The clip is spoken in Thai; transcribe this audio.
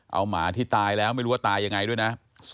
เอาหมาที่ตายแล้วไม่รู้ว่าตายยังไงด้วยนะ